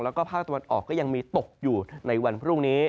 แล้วก็ภาคตะวันออกก็ยังมีตกอยู่ในวันพรุ่งนี้